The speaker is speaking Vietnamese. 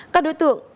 các đối tượng